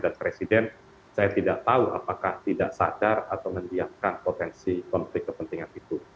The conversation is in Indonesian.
dan presiden saya tidak tahu apakah tidak sadar atau ngebiarkan potensi konflik kepentingan itu